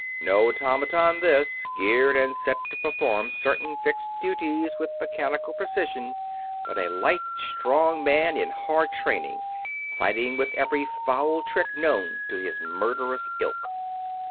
No automaton this, geared and set to perform certain fixed duties with mechanical precision, but a lithe, strong man in hard training, fighting with every foul trick known to his murderous ilk.